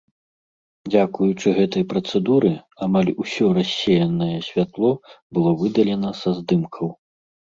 Дзякуючы гэтай працэдуры, амаль усё рассеянае святло было выдалена са здымкаў.